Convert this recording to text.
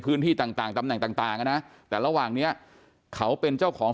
พื้นที่ต่างตำแหน่งต่างนะแต่ระหว่างเนี้ยเขาเป็นเจ้าของ